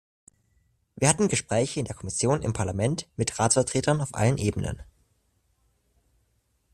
Wir hatten Gespräche in der Kommission, im Parlament, mit Ratsvertretern auf allen Ebenen.